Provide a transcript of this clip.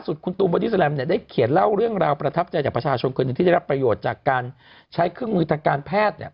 สุดคุณตูมโบดิสแลมได้เขียนเล่าเรื่องราวประทับใจจากประชาชนคนที่ได้รับประโยชน์จากการใช้เครื่องมือทางการแพทย์